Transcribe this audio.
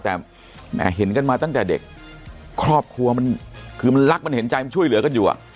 แต่เห็นกันมาตั้งแต่เด็กครอบครัวมันคือมันรักมันเห็นใจมันช่วยเหลือกันอยู่อ่ะ